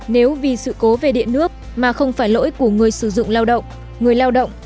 nếu vì sự cố về địa nước mà không phải lỗi của người sử dụng lao động người lao động